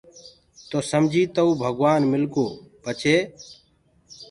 توٚ سمجيٚ تئو ڀگوآن مِلگو پڇي